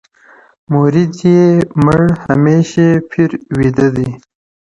• مريـــد يــې مـړ هـمېـش يـې پيـر ويده دی؛